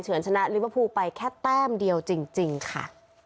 ชนะลิเวอร์พูลไปแค่แต้มเดียวจริงค่ะ